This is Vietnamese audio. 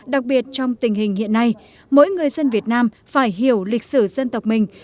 đặc biệt trong tình hình hiện nay mỗi người dân việt nam phải hiểu lịch sử dân tộc mình